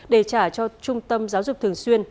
để trả cho trung tâm giáo dục thường xuyên